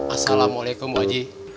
assalamualaikum bu haji